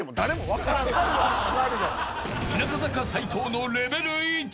［日向坂齊藤のレベル１］